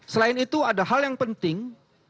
selain itu ada hal yang penting